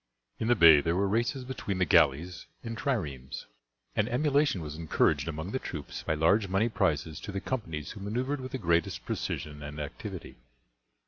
In the bay there were races between the galleys and triremes, and emulation was encouraged among the troops by large money prizes to the companies who maneuvered with the greatest precision and activity.